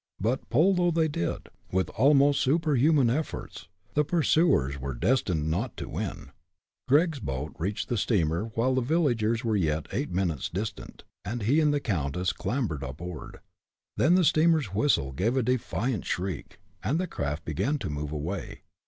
But, pull though they did, with almost super human efforts, the pursuers were destined not to win. Gregg's boat reached the steamer while the villagers were yet eight minutes distant, and he and the countess clambered aboard. Then the steamer's whistle gave a defiant shriek, and the craft began to move away.